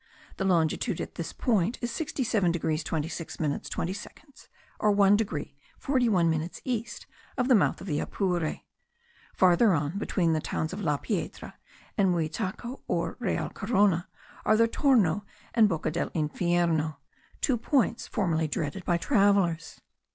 The longitude of this point is 67 degrees 26 minutes 20 seconds, or 1 degree 41 minutes east of the mouth of the Apure. Farther on, between the towns of La Piedra and Muitaco, or Real Corona, are the Torno and Boca del Infierno, two points formerly dreaded by travellers.